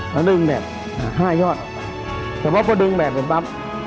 แล้วดึงแบบ๕ยอดแต่ว่าก็ดึงแบบเป็นปั๊บ